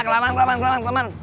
kelaman kelaman kelaman